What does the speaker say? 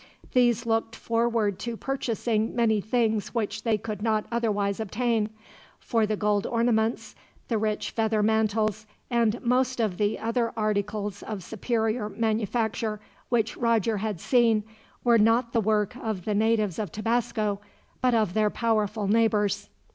These looked forward to purchasing many things which they could not otherwise obtain; for the gold ornaments, the rich feather mantles, and most of the other articles of superior manufacture which Roger had seen, were not the work of the natives of Tabasco, but of their powerful neighbors.